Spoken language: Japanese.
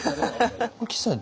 岸さん